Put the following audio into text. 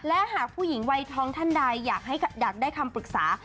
และหากผู้หญิงวัยท้องท่านใดอยากได้คำปรึกษา